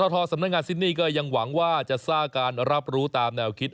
สำนักงานซินี่ก็ยังหวังว่าจะสร้างการรับรู้ตามแนวคิด